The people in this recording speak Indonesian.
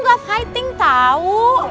gak fighting tau